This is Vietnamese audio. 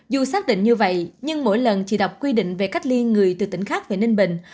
dù xác định như vậy nhưng mỗi lần chị đọc quy định về cách ly người từ tỉnh khác về ninh bình